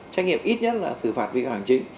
trách nhiệm ít nhất là xử phạt vi phạm hành chính